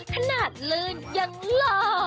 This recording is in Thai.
ขนาดลื่นยังหล่อ